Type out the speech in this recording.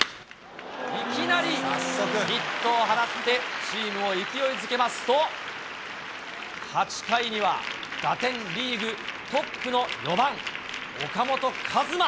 いきなりヒットを放って、チームを勢いづけますと、８回には、打点リーグトップの４番岡本和真。